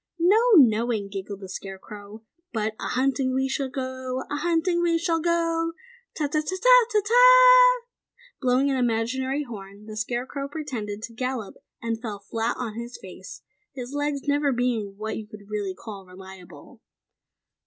"No knowing," giggled the Scarecrow. "But a hunting we shall go! A hunting we shall go! Ta Ta Ta Ta Ta Ta Ta TAH!" Blowing an imaginary horn, the Scarecrow pretended to gallop and fell flat on his face, his legs never being what you really could call reliable.